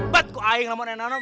bet aku anggap sama nenek canggul